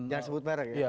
jangan sebut bareng ya